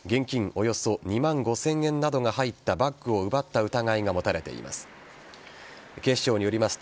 およそ２万５０００円などが入ったバッグを奪った疑いが持たれています。